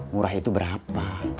murah itu berapa